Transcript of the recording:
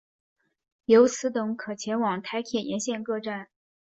由此等可前往台铁沿线各站。